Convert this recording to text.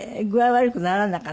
悪くならなかった？